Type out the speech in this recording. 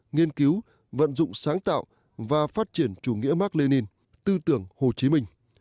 nghiên cứu vận dụng sáng tạo và phát triển chủ nghĩa mark lenin tư tưởng hồ chí minh